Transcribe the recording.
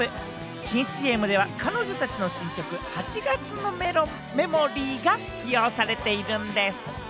新ＣＭでは彼女たちの新曲『∞月のメモリー』が起用されているんでぃす。